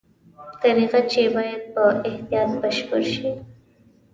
دریغه چې باید په احتیاط بشپړ شي.